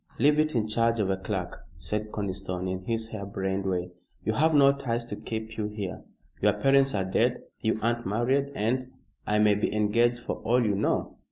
"Leave it in charge of a clerk," said Conniston, in his hair brained way. "You have no ties to keep you here. Your parents are dead you aren't married, and " "I may be engaged for all you know."